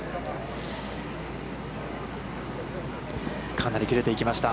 かなり切れていきました。